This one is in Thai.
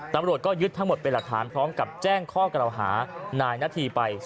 ตำรวจก็ยึดทั้งหมดเป็นหลักฐานพร้อมกับแจ้งข้อกล่าวหานายนาธีไป